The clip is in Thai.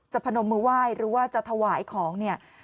พนมมือไหว้หรือว่าจะถวายของเนี่ย